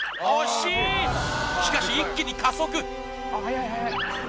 しかし一気に加速